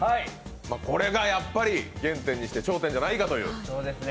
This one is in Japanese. これがやっぱり原点にして頂点じゃないかという。